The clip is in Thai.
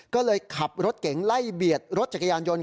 ก็เลยขับรถเก๋งไล่เบียดรถจักรยานยนต์